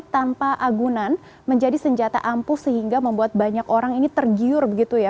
tanpa agunan menjadi senjata ampuh sehingga membuat banyak orang ini tergiur begitu ya